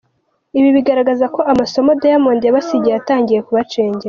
Ibi bigaragaza ko amasomo Diamond yabasigiye yatangiye kubacengera.